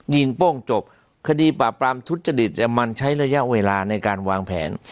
โป้งจบคดีปราบปรามทุจริตมันใช้ระยะเวลาในการวางแผน